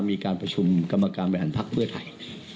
มีการประชุมกรรมการบริหารภักดิ์เพื่อไทย